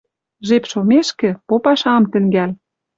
Жеп шомешкӹ попаш ам тӹнгӓл.